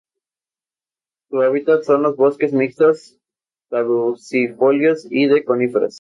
Su hábitat son los bosques mixtos caducifolios y de coníferas.